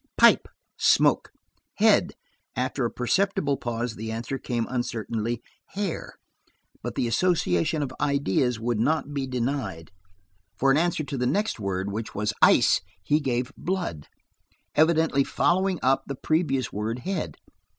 "Pipe." "Smoke." "Head." After a perceptible pause the answer came uncertainly. "Hair." But the association of ideas would not be denied, for in answer to the next word, which was "ice," he gave "blood," evidently following up the previous word "head."